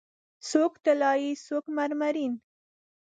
څوک طلایې، څوک مرمرین